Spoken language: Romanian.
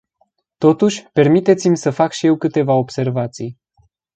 Totuși, permiteți-mi să fac și eu câteva observații.